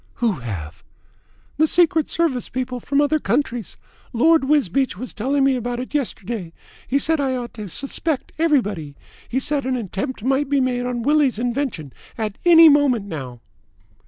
"Who have?" "The Secret Service people from other countries. Lord Wisbeach was telling me about it yesterday. He said that I ought to suspect everybody. He said that an attempt might be made on Willie's invention at any moment now."